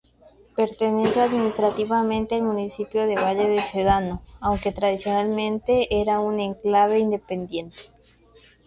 Pertenece administrativamente al municipio de Valle de Sedano, aunque tradicionalmente era un enclave independiente.